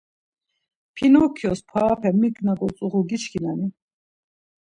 Pinokyos parape mik na gotzuğu giçkinani?